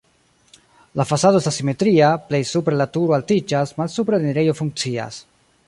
La fasado estas simetria, plej supre la turo altiĝas, malsupre la enirejo funkcias.